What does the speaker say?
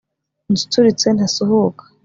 unsusurutse ntasuhuka